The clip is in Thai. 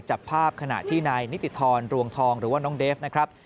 จับภาพขณะที่นายนิติธรรวงทองหรือว่าน้องเดฟนะครับ